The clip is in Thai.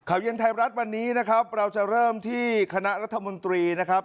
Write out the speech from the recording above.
เย็นไทยรัฐวันนี้นะครับเราจะเริ่มที่คณะรัฐมนตรีนะครับ